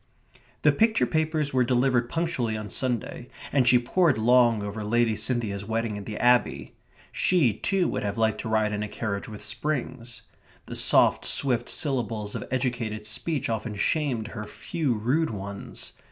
The picture papers were delivered punctually on Sunday, and she pored long over Lady Cynthia's wedding at the Abbey. She, too, would have liked to ride in a carriage with springs. The soft, swift syllables of educated speech often shamed her few rude ones.